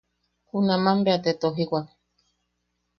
Junaman bea te tojiwak.